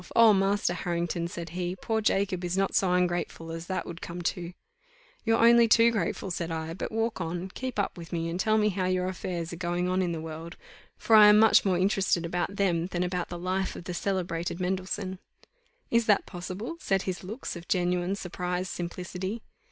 Oh, Master Harrington," said he, "poor Jacob is not so ungrateful as that would come to." "You're only too grateful," said I; "but walk on keep up with me, and tell me how your affairs are going on in the world, for I am much more interested about them than about the life of the celebrated Mendelssohn." Is that possible! said his looks of genuine surprised simplicity.